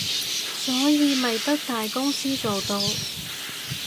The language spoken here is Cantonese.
所以咪得大公司做到